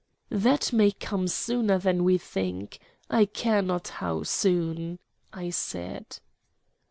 "That may come sooner than we think. I care not how soon," I said.